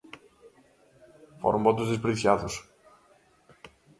Foron votos desperdiciados.